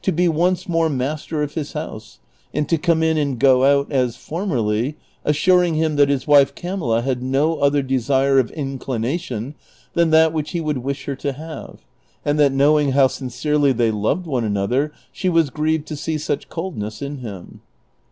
be once more master of his house and to come in and go out as for merly, assuring him that his wife Camilhi had no other desire or inclination than that Avhich he would wish her to have, and that knowing how sincerely they loved one another she was grieved to see such coldness in him.